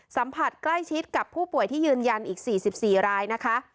สัมผัสใกล้ชิดกับผู้ป่วยที่ยืนยันอีก๔๔รายนะคะ